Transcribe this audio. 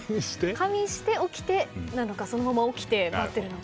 仮眠して起きてなのかそのまま起きて待ってるのか。